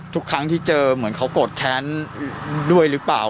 ทุกครั้งที่เจอเหมือนเขาโกรธแค้นด้วยหรือเปล่า